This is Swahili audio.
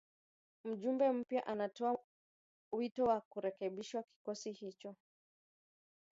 Mjumbe mpya anatoa wito wa kurekebishwa kikosi hicho